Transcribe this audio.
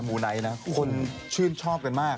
ูไนท์นะคนชื่นชอบกันมาก